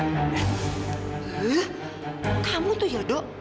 eh kamu tuh ya do